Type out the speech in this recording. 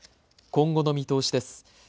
今後の見通しです。